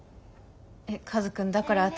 えっカズくんだから私。